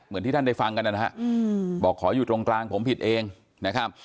เหมือนที่ท่านได้ฟังกันด้านฮือบอกคอยอยู่ตรงกลางผมผิดเองนะครับ